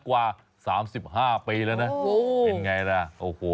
กว่า๓๕ปีแล้วนะเป็นไงล่ะโอ้โห